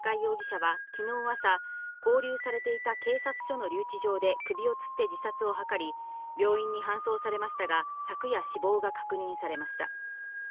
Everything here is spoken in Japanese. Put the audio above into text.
高井容疑者は昨日朝、勾留されていた警察署の留置場で首をつって自殺を図り、病院に搬送されましたが、昨夜死亡が確認されました。